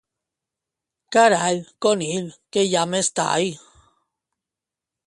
—Carai! —Conill, que hi ha més tai!